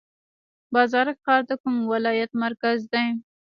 بازارک ښار د کوم ولایت مرکز دی؟